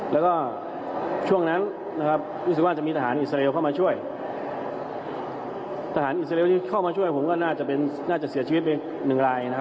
เดี๋ยวที่เข้ามาช่วยผมก็น่าจะเสียชีวิตไป๑ลาย